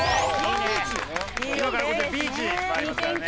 今からこちらのビーチに参りますからね。